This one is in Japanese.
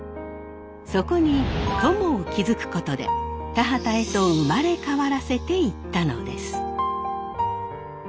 そこに塘を築くことで田畑へと生まれ変わらせていったのです。